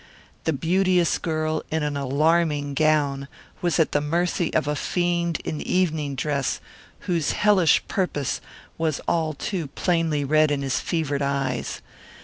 The beauteous girl, in an alarming gown, was at the mercy of a fiend in evening dress whose hellish purpose was all too plainly read in his fevered eyes.